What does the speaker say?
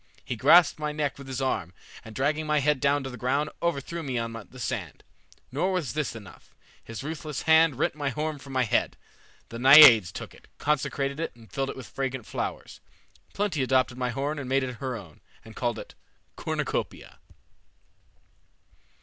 He grasped my neck with his arm, and dragging my head down to the ground, overthrew me on the sand. Nor was this enough. His ruthless hand rent my horn from my head. The Naiades took it, consecrated it, and filled it with fragrant flowers. Plenty adopted my horn and made it her own, and called it 'Cornucopia.'"